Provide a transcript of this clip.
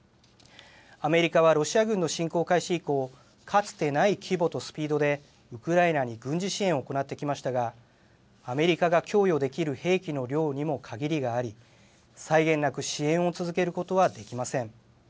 アメリカはロシア軍の侵攻開始以降、かつてない規模とスピードで、ウクライナに軍事支援を行ってきましたが、アメリカが供与できる兵器の量にも限りがあり、際限なく支援を続けることはできません。